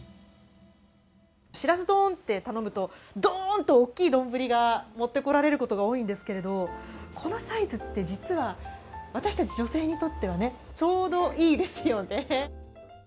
しらす丼って頼むと、ドーンと大きい丼が持ってこられることが多いんですけどこのサイズって、実は私たち女性にとってはちょうどいいですよね。